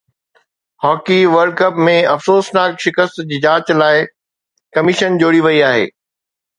hockey world cup ۾ افسوسناڪ شڪست جي جاچ لاءِ ڪميشن جوڙي وئي آهي